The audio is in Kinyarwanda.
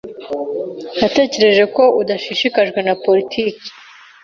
Natekereje ko udashishikajwe na politiki.